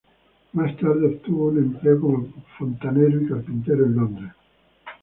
Más tarde obtuvo un empleo como fontanero y carpintero en Londres.